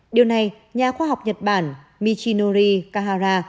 điều này nhà khoa học nhật bản michinori kahara